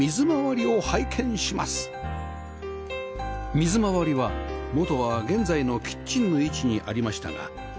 水回りは元は現在のキッチンの位置にありましたが今回のリノベで